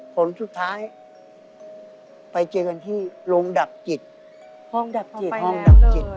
ผลสุดท้ายไปเจอกันที่โรงดับจิตห้องดับจิตห้องดับจิต